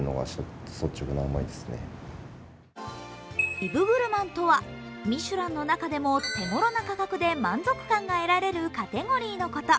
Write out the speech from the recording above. ビブグルマンとはミシュランの中でも手ごろな価格で満足感が得られるカテゴリーのこと。